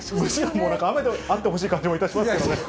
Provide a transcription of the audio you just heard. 雨であってほしい感じもいたしますけどね。